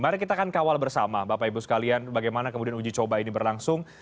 mari kita akan kawal bersama bapak ibu sekalian bagaimana kemudian uji coba ini berlangsung